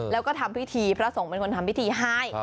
แล้วก็ทำพิธีพระสงฆ์เป็นคนทำพิธีให้